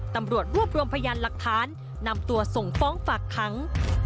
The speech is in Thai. ตำรวจรวบรวมพยานหลักฐานนำตัวส่งฟ้องฝากขัง